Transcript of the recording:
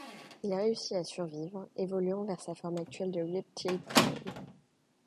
Il réussit à survivre, évoluant vers sa forme actuelle de Reptyl Prime.